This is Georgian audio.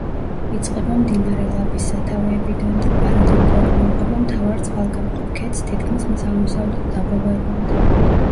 იწყება მდინარე ლაბის სათავეებიდან და პარალელურად მიუყვება მთავარ წყალგამყოფ ქედს თითქმის მის აღმოსავლეთ დაბოლოებამდე.